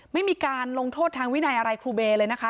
ไม่มีการลงโทษทางวินัยอะไรครูเบย์เลยนะคะ